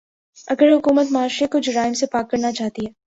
اگر حکومت معاشرے کو جرائم سے پاک کرنا چاہتی ہے۔